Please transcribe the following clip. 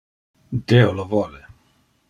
Deo lo vole.